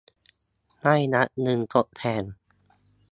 ได้รับเงินทดแทน